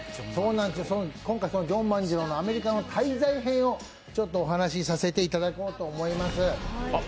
今回、ジョン万次郎のアメリカの滞在編をお話させていただこうと思います。